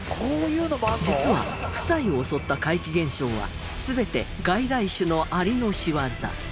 実は夫妻を襲った怪奇現象は全て外来種のアリの仕業。